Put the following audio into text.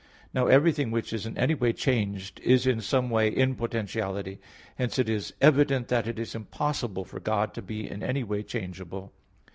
Now everything which is in any way changed, is in some way in potentiality. Hence it is evident that it is impossible for God to be in any way changeable.